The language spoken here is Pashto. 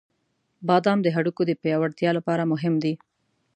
• بادام د هډوکو د پیاوړتیا لپاره مهم دی.